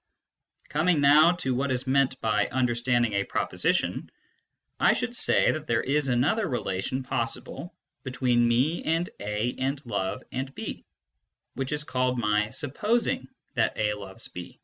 Coming now to what is meant by " understanding a proposition," I should say that there is another relation possible between me and A and love and B, which is called my (upposing that A loves B.